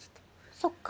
そっか。